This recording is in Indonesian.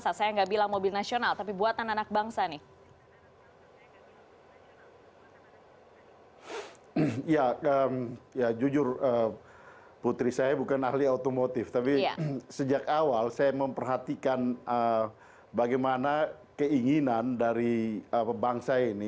seberapa serius sekarang